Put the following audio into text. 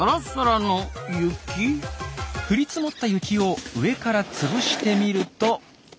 降り積もった雪を上から潰してみると。